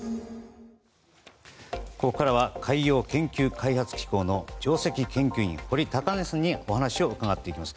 ここからは海洋研究開発機構の上席研究員堀高峰さんにお話を伺っていきます。